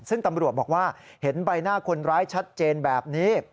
ซึ่งตำรวจบอกว่าเห็นใบหน้าคนร้ายชัดเจนแบบนี้